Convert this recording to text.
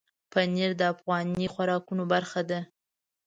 پنېر د افغاني خوراکونو برخه ده.